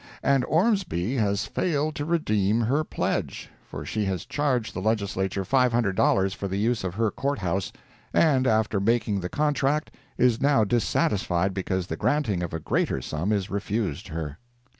And Ormsby has failed to redeem her pledge—for she has charged the Legislature $500 for the use of her Court house, and after making the contract, is now dissatisfied because the granting of a greater sum is refused her.